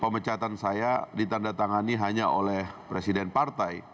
pemecahatan saya ditandatangani hanya oleh presiden partai